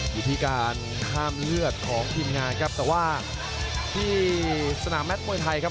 อยู่ที่การห้ามเลือดของทีมงานครับแต่ว่าที่สนามแมทมวยไทยครับ